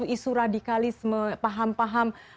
isu radikalisme paham paham